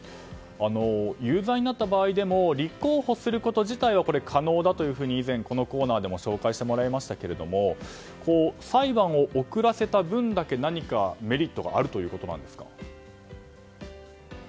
有罪になった場合でも立候補すること自体は可能だと以前、このコーナーでも紹介してもらいましたけど裁判を遅らせた分だけ何かメリットがあるということなんですか？